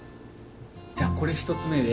じゃあこれ１つめで。